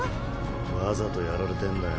わざとやられてんだよ。